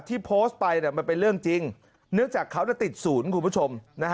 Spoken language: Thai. ที่โพสต์ไปมันเป็นเรื่องจริงเนื่องจากเขาติดศูนย์คุณผู้ชม